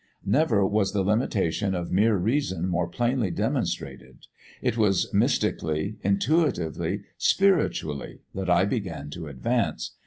Never was the limitation of mere reason more plainly demonstrated. It was mystically, intuitively, spiritually that I began to advance.